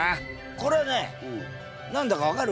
これね何だか分かる？